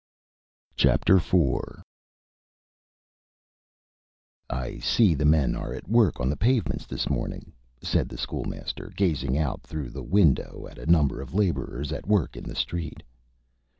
IV "I see the men are at work on the pavements this morning," said the School Master, gazing out through the window at a number of laborers at work in the street.